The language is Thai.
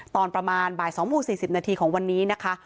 ตอนประมาณบ่าย๒โมง๔๐นาทีของวันนี้นะคะ